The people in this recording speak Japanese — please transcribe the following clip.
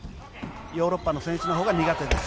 ヨーロッパの選手のほうが苦手です。